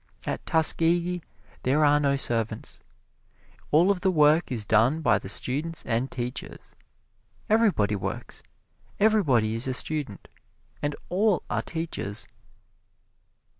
At Tuskegee there are no servants. All of the work is done by the students and teachers everybody works everybody is a student, and all are teachers.